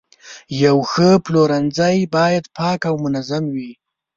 یو ښه پلورنځی باید پاک او منظم وي.